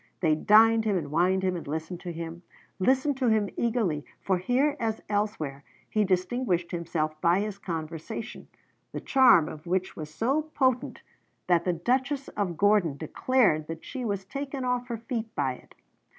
They dined him and wined him and listened to him, listened to him eagerly, for here as elsewhere he distinguished himself by his conversation, the charm of which was so potent that the Duchess of Gordon declared that she was taken off her feet by it.